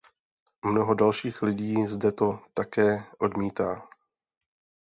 Mnoho dalších lidí zde to také odmítá.